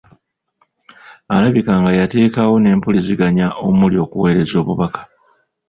Alabika nga yateekawo n'empuliziganya omuli okuweereza obubaka